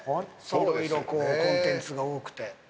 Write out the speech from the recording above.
いろいろコンテンツが多くて。